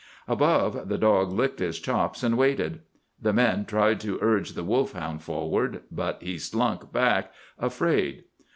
Above, the dog licked his chops, and waited. The men tried to urge the wolf hound forward, but he slunk back, afraid.